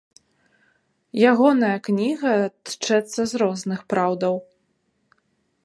Ягоная кніга тчэцца з розных праўдаў.